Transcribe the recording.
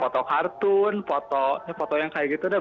foto kartun foto yang kayak gitu deh